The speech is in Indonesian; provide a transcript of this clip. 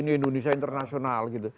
ini indonesia internasional gitu